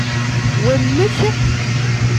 Wa nnek?